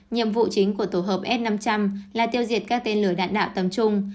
nhiệm vụ chính của tổ hợp s năm trăm linh là tiêu diệt các tên lửa đạn đạo tầm trung